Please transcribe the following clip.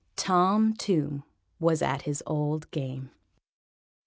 Tom Tomb was at his old game.